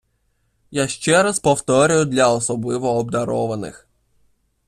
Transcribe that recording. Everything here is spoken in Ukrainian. Я ще раз повторюю для особливо обдарованих.